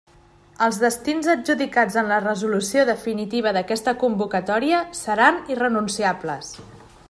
Els destins adjudicats en la resolució definitiva d'aquesta convocatòria seran irrenunciables.